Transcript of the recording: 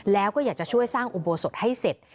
แล้วก็อยากจะช่วยสร้างอุโบสถให้เสร็จ